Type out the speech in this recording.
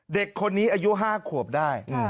เด็กคนนี้อายุ๕ขวบได้